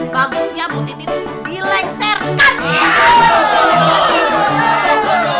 bagusnya bu titis di laser kan